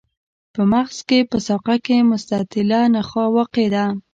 په مغز په ساقه کې مستطیله نخاع واقع ده.